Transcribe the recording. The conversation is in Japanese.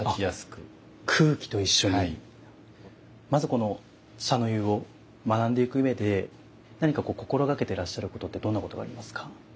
まずこの茶の湯を学んでいく上で何かこう心掛けてらっしゃることってどんなことがありますか。